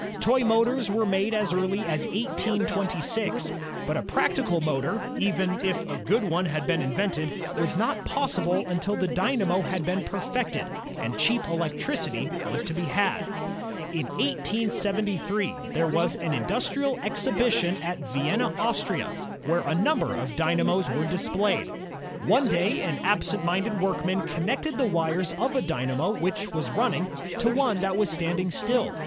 Toy motors were made as early as 1826. But a practical ©lotor, even if a good one had been invented, was not possible imtil the dynamo had been perfected, and cheap electricity was to be had. In 1873 there was an Industrial Exhibition at Vienna, Austria, where a number of d3niamos were displayed. One day an absent minded workman connected the wires of a dynamo which was running, to one that was standing still.